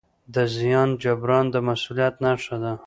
د زیان جبران د مسؤلیت نښه ده.